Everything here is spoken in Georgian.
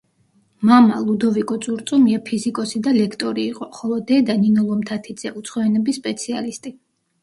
მამა, ლუდოვიკო წურწუმია ფიზიკოსი და ლექტორი იყო, ხოლო დედა, ნინო ლომთათიძე, უცხო ენების სპეციალისტი.